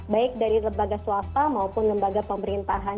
baik dari lembaga swasta maupun lembaga pemerintahan